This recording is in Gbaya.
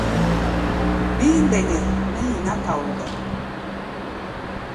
Gbíí ndɛŋgɛ nɛ́ nyiná kaoda.